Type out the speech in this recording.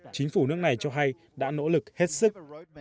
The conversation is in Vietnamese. chính phủ nước này cho hay đã nỗ lực hết sức